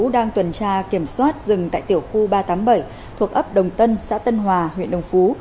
đang tuần tra kiểm soát rừng tại tiểu khu ba trăm tám mươi bảy thuộc ấp đồng tân xã tân hòa huyện đồng phú